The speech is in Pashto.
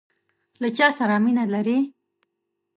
له چاسره مینه لرئ؟